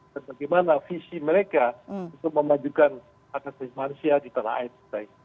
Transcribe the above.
dan bagaimana visi mereka untuk memajukan hak asasi manusia di tanah air